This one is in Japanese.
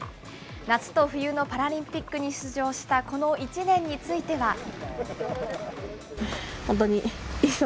夏と冬のパラリンピックに出場したこの１年については。